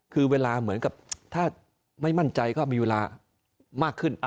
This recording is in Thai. คือเวลาเหมือนกับถ้าไม่มั่นใจก็มีเวลามากขึ้น